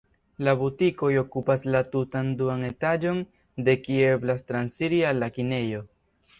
La butikoj okupas la tutan duan etaĝon, de kie eblas transiri al la kinejo.